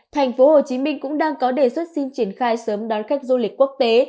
thành phố hồ chí minh cũng đang có đề xuất xin triển khai sớm đón khách du lịch quốc tế